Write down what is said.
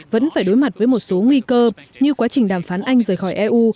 vẫn phải đối mặt với một số nguy cơ như quá trình đàm phán anh rời khỏi eu